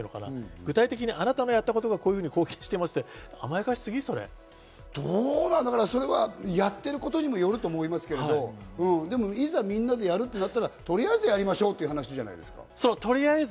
具体的にあなたのやったことがこういうふうになっていますとか、やっていることにもよると思いますけど、いざみんなでやるとなったら、とりあえずやりましょうっていう話じゃないですか。